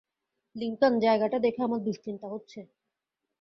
Lincoln, জায়গাটা দেখে আমার দুশ্চিন্তা হচ্ছে।